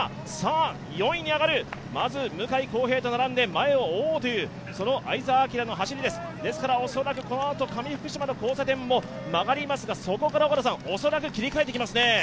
４位に上がる、まず向晃平と並んで前を追うという、その相澤晃の走りです、ですからこのあと上福島の交差点も曲がりますが、そこから恐らく切り替えてきますね？